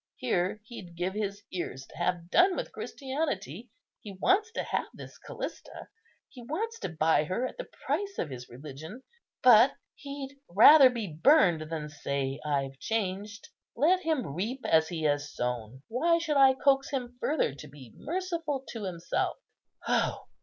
Here he'd give his ears to have done with Christianity; he wants to have this Callista; he wants to buy her at the price of his religion; but he'd rather be burned than say, I've changed! Let him reap as he has sown; why should I coax him further to be merciful to himself?